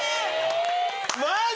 マジ？